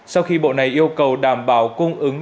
sau khi bộ này yêu cầu đảm bảo cung ứng